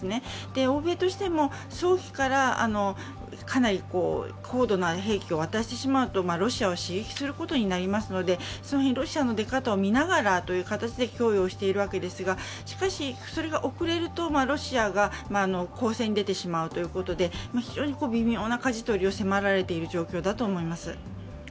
欧米としても早期からかなり高度な兵器を渡してしまうとロシアを刺激することになりますのでその辺、ロシアの出方を見ながら供与をしているわけですがしかし、それが遅れるとロシアが攻勢に出てしまうということで非常に微妙なかじ取りを迫られている状況だと思います。